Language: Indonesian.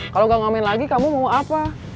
kalau gak ngamen lagi kamu mau apa